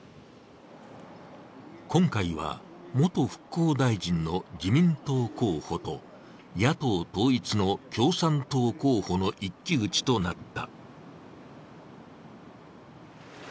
今回は、元復興大臣の自民党候補と野党統一の共産党候補の一騎打ちとなった。